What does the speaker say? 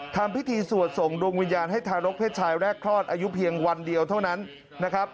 ทำพิธีสวดส่งดวงวิญญาณให้ทารกเพศชายแรกคลอดอายุเพียงวันเดียวเท่านั้นนะครับ